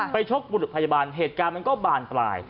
ไปชกพยาบาลเหตุการณ์มันก็บานตาย